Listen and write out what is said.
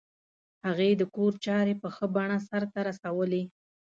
هغې د کور چارې په ښه بڼه سرته رسولې